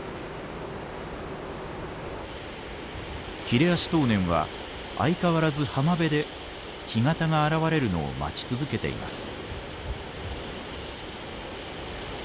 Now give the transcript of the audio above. ヒレアシトウネンは相変わらず浜辺で干潟が現れるのを待ち続けています。